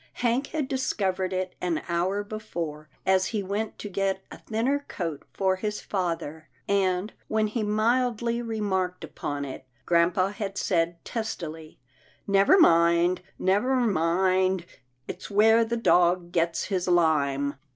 Hank had discovered it an hour before, as he went to get a thinner coat for his father, and, when he mildly remarked upon it, grampa had said testily, " Never mind — never mind — it's where the dog gets his lime."